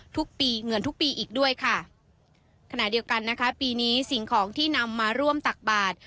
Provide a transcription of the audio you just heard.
ทุกปีเงินทุกปีอีกด้วยค่ะขณะเดียวกันนะคะปีนี้สิ่งของที่นำมาร่วมตักบาท